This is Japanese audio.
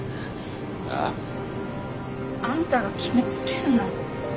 あ？あんたが決めつけんな。